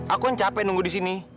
aku yang capek nunggu di sini